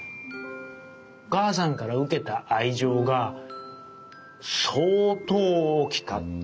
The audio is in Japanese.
お母さんから受けた愛情が相当大きかった。